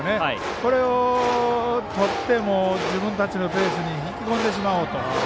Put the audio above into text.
これを、とっても自分たちのペースに引き込んでしまおうと。